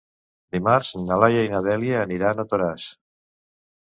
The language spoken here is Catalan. Dimarts na Laia i na Dèlia aniran a Toràs.